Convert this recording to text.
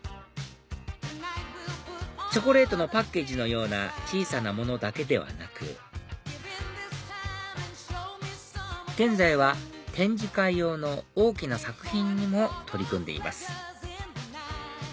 チョコレートのパッケージのような小さなものだけではなく現在は展示会用の大きな作品にも取り組んでいます